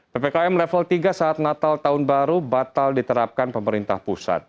ppkm level tiga saat natal tahun baru batal diterapkan pemerintah pusat